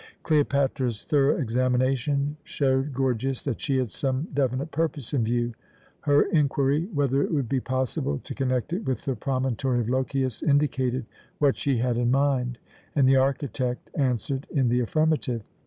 Cleopatra's thorough examination showed Gorgias that she had some definite purpose in view. Her inquiry whether it would be possible to connect it with the promontory of Lochias indicated what she had in mind, and the architect answered in the affirmative.